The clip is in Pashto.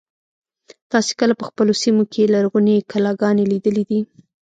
تاسې کله په خپلو سیمو کې لرغونې کلاګانې لیدلي دي.